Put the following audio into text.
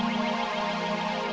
kamu harus mencoba untuk mencoba